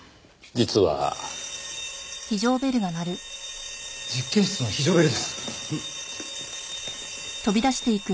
実験室の非常ベルです！